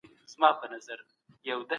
هر انسان باید د خپلو وړتیاوو سره سم عمل وکړي.